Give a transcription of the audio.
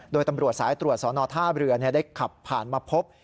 โดยตำรวจสายตรวจสอนอท่าเรือได้ขับผ่านมาพบ